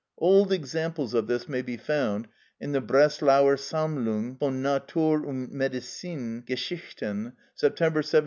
Old examples of this may be found in the "Breslauer Sammlung von Natur und Medicin Geschichten," September 1799, p.